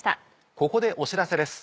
ここでお知らせです。